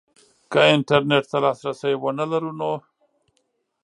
که انترنټ ته لاسرسی ونه لرو نو